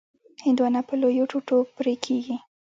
هندوانه په لویو ټوټو پرې کېږي.